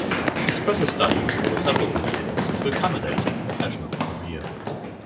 She spread her studies over several years to accommodate her professional career.